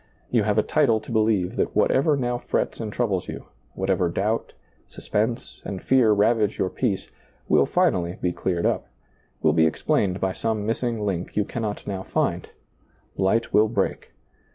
You have a title to beheve that whatever now frets and troubles you, whatever doubt, suspense, and fear ravage your peace, will finally be cleared up, will be explained by some missing link you can not now find ; light will break.